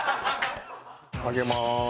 揚げます。